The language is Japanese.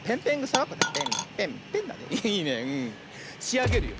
しあげるよ。